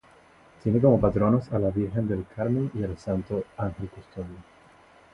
Tiene como patronos a la Virgen del Carmen y al Santo Ángel Custodio.